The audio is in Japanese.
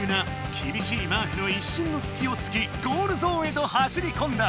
きびしいマークのいっしゅんのすきをつきゴールゾーンへと走りこんだ。